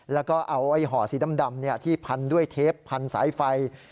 แล้วก็เอาไอ้ห่อสีดำที่พันด้วยเทปพันสายไฟ